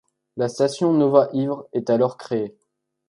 La station Nova-Ivre est alors créée.